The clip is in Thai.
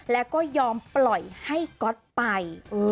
แล้วก็ยอมปล่อยให้ก๊อตไป